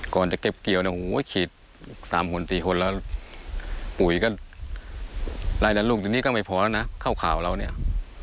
ก่อนจะเก็บเกียวก็ขีด๓๔คนแล้วปลูกลายด้านลูกนี่ก็ไม่พอแล้วนะ